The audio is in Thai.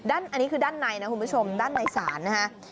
อันนี้คือด้านในนะคุณผู้ชมด้านในศาลนะฮะ